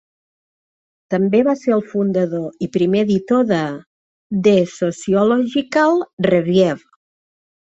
També va ser el fundador i primer editor de "The Sociological Review".